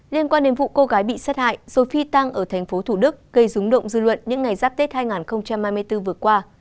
liên quan đến vụ cô gái bị sát hại rồi phi tăng ở thành phố thủ đức gây rúng động dư luận những ngày giáp tết hai nghìn hai mươi bốn vừa qua